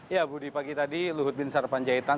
ya bu di pagi tadi luhut bin sarpanjaitan